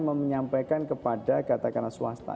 menyampaikan kepada katakanlah swasta